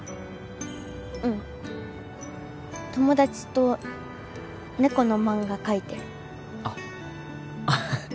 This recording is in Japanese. うん友達と猫の漫画描いてるあっハハッ